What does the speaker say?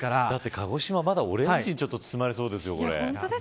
鹿児島はオレンジに包まれそうですよ。